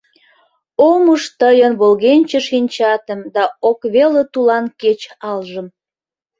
Ом уж тыйын волгенче шинчатым Да ок веле тулан кече алжым.